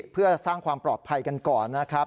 เพื่อสร้างความปลอดภัยกันก่อนนะครับ